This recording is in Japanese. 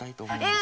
え！